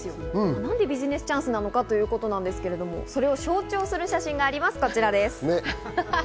なぜビジネスチャンスなのかということなんですけれども、その象徴する写真がこちらです。